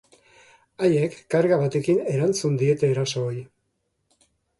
Haiek karga betekin erantzun diete erasooi.